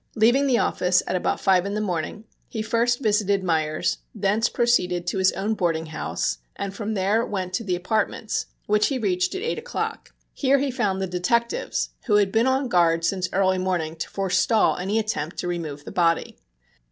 Leaving the office at about five in the morning he first visited Meyers, thence proceeded to his own boarding house, and from there went to the apartments, which he reached at eight o'clock. Here he found the detectives who had been on guard since early morning to forestall any attempt to remove the body.